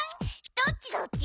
ドッチドッチ？